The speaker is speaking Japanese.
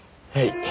はい。